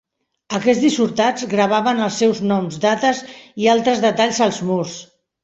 Aquests dissortats gravaven els seus noms, dates i altres detalls als murs.